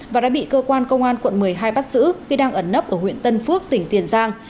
và đã bị cơ quan công an quận một mươi hai bắt giữ khi đang ẩn nấp ở huyện tân phước tỉnh tiền giang